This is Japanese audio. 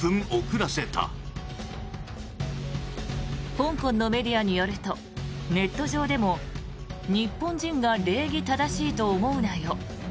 香港のメディアによるとネット上でも日本人が礼儀正しいと思うなよ